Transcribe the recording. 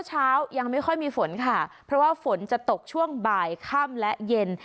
เช้ายังไม่ค่อยมีฝนค่ะเพราะว่าฝนจะตกช่วงบ่ายค่ำและเย็น